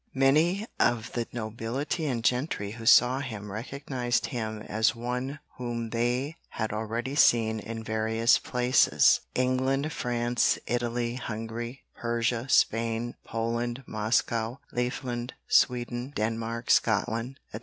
Many of the nobility and gentry who saw him recognised him as one whom they had already seen in various places England, France, Italy, Hungary, Persia, Spain, Poland, Moscow, Lieffland, Sweden, Denmark, Scotland, &c.